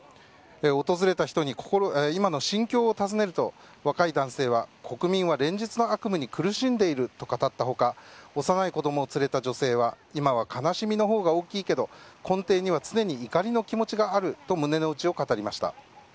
訪れた人に、今の心境を尋ねると、若い男性は国民は連日の悪夢に苦しんでいると語った他幼い子供を連れた女性は今は悲しみのほうが大きいけど根底には常に怒りの気持ちがあると胸の内を語りました。